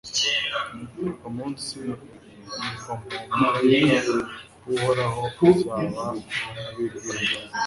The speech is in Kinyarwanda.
umunsi umumalayika w'uhoraho azaba abirukana